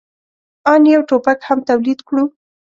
آن یو ټوپک هم تولید کړو.